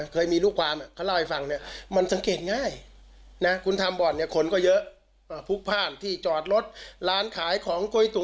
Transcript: เคยมีรู้ความเขาเล่าให้ฟัง